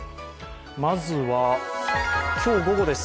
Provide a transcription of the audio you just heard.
まずは今日午後です